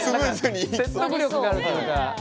何か説得力があるというか。